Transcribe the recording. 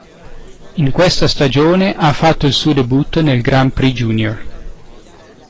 In questa stagione ha fatto il suo debutto nel Grand Prix Junior.